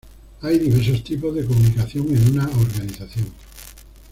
Hay diversos tipos de comunicación en una organización.